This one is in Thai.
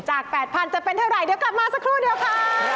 ๘๐๐จะเป็นเท่าไหร่เดี๋ยวกลับมาสักครู่เดียวค่ะ